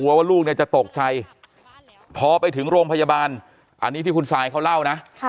ว่าลูกเนี่ยจะตกใจพอไปถึงโรงพยาบาลอันนี้ที่คุณซายเขาเล่านะ